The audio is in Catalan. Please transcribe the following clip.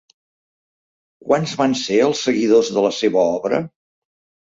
Quants van ser els seguidors de la seva obra?